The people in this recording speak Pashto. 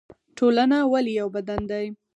ټولنه ولې یو بدن دی؟